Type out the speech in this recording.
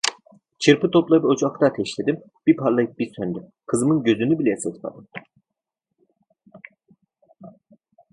Çırpı toplayıp ocakta ateşledim, bir parlayıp bir söndü, kızımın gözünü bile ısıtmadı.